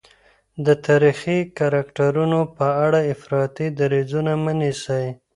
د تاریخي کرکټرونو په اړه افراطي دریځونه مه نیسئ.